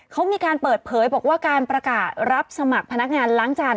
เขามีการเปิดเผยบอกว่าการประกาศรับสมัครพนักงานล้างจาน